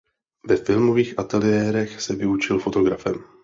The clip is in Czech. Ve filmových ateliérech se vyučil fotografem.